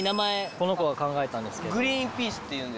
この子が考えたんですけど。